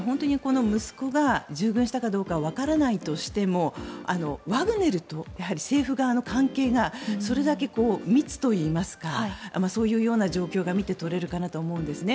本当にこの息子が従軍したかどうかはわからないにしてもワグネルと政府側の関係がそれだけ密といいますかそういうような状況が見て取れるかなと思うんですね。